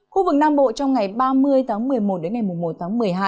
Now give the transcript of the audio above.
khu vực nam bộ trong ngày ba mươi tháng một mươi một đến ngày một tháng một mươi hai